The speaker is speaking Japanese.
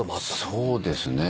そうですね。